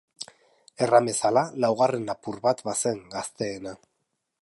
Erran bezala, laugarren lapur bat bazen, gazteena.